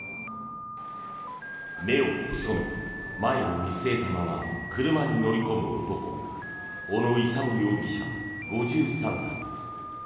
目を細め、前を見据えたまま車に乗り込む男小野勇容疑者、５３歳。